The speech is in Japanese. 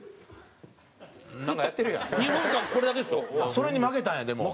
それに負けたんやでもう。